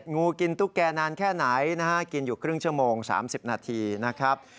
งูกินตุ๊กแก่นานแค่ไหนนะฮะกินอยู่ครึ่งชั่วโมง๓๐นาทีนะครับ